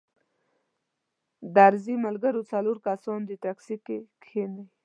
درځئ ملګرو څلور کسان دې ټیکسي کې کښینئ.